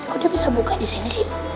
kok dia bisa buka di sini sih